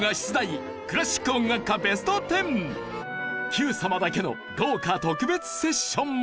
『Ｑ さま！！』だけの豪華特別セッションも